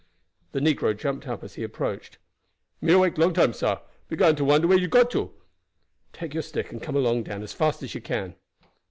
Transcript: The negro jumped up as he approached. "Me awake long time, sah. Began to wonder where you had got to." "Take your stick and come along, Dan, as fast as you can."